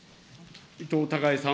伊藤孝恵さん。